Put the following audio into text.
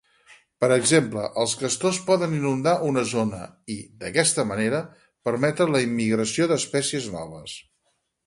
Per exemple els castors poden inundar una zona i, d'aquesta manera, permetre la immigració d'espècies noves.